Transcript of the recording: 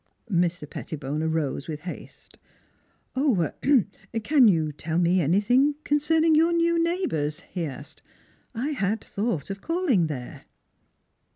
" Mr. Pettibone arose with haste. u Can you er tell me anything concerning your new neighbors? " he asked. " I had thought of calling there."